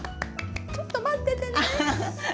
ちょっと待っててね。